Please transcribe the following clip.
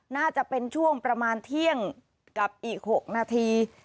น่าจะเป็นช่วงประมาณเที่ยงกับอีก๖นาที